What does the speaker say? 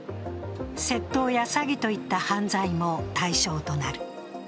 窃盗や詐欺といった犯罪も対象となる。